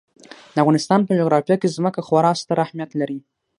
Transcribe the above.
د افغانستان په جغرافیه کې ځمکه خورا ستر اهمیت لري.